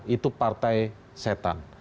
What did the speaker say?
itu partai setan